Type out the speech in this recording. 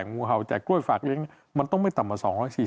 งูเห่าแต่กล้วยฝากเลี้ยงมันต้องไม่ต่ำกว่า๒๔๐